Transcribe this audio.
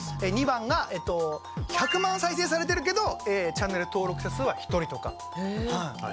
２番が１００万再生されてるけどチャンネル登録者数は１人とか。